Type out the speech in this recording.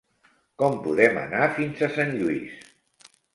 Com podem anar fins a Sant Lluís?